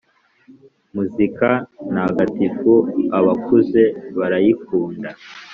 muzika ntagatifu abakuze barayikunda